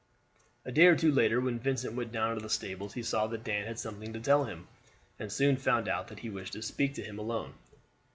A day or two later when Vincent went down to the stables he saw that Dan had something to tell him, and soon found out that he wished to speak to him alone.